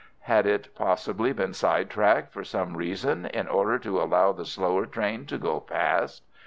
Had it possibly been side tracked for some reason in order to allow the slower train to go past?